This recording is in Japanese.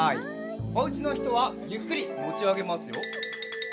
おうちのひとはゆっくりもちあげますよ。